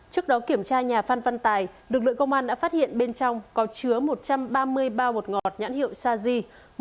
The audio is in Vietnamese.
trước đó kiểm tra nhà phan văn tài lực lượng công an đã phát hiện bên trong có chứa một trăm ba mươi bao bột ngọt nhãn hiệu saji